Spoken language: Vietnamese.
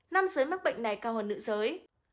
nam giới mắc bệnh này cao hơn nữ giới